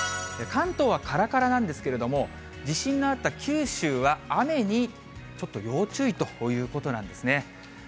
関東はからからなんですけれども、地震のあった九州は、雨にちょっと要注意ということなんですね。